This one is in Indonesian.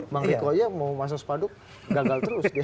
bang riko ya mau masang sepanduk gagal terus